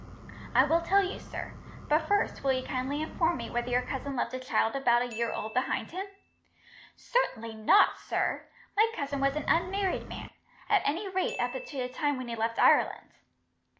"I will tell you, sir. But first, will you kindly inform me whether your cousin left a child about a year old behind him?" "Certainly not, sir. My cousin was an unmarried man, at any rate up to the time when he left Ireland."